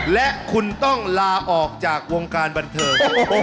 และคุณต้องลาออกจากวงการบันเทิง